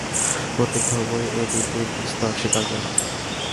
প্রত্যেক ধর্মই এই তিনটি স্তর স্বীকার করে।